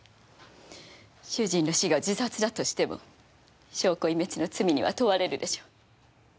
主人の死が自殺だとしても証拠隠滅の罪には問われるでしょ。